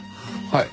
はい。